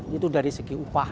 itu dari segi upah